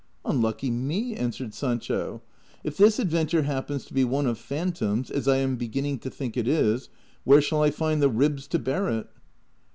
^' Unlucky me !" answered Sancho ;" if this adventure hap pens to be one of phantoms, as I am beginning to think it is, where shall I find the ribs to bear it